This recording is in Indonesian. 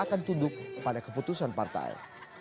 akan tunduk pada keputusan partai